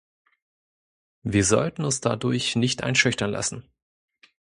Wir sollten uns dadurch nicht einschüchtern lassen.